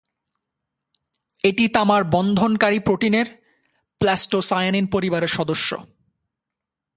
এটি তামার বন্ধনকারী প্রোটিনের প্ল্যাস্টোসায়ানিন পরিবারের সদস্য।